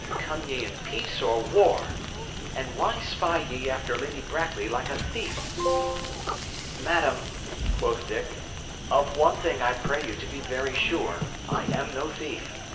Come ye in peace or war? And why spy ye after Lady Brackley like a thief?" "Madam," quoth Dick, "of one thing I pray you to be very sure: I am no thief.